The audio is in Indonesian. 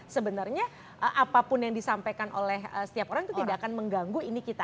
sebenarnya apapun yang disampaikan oleh setiap orang itu tidak akan mengganggu ini kita